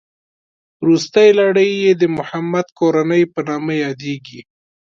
روستۍ لړۍ یې د محمد کورنۍ په نامه یادېږي.